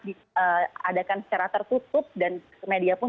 diadakan secara tertutup dan media pun